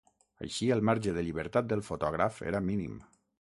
Així, el marge de llibertat del fotògraf era mínim.